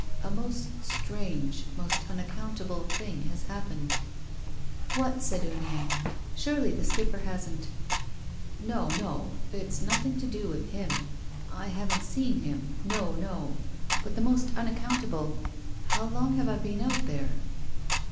"A most strange, most unaccountable, thing has happened." "What?" said Uniacke. "Surely the Skipper hasn't —" "No, no. It's nothing to do with him. I haven't seen him. No, no — but the most unac countable — how long have I been out there?"